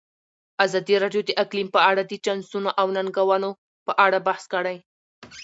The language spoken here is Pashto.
ازادي راډیو د اقلیم په اړه د چانسونو او ننګونو په اړه بحث کړی.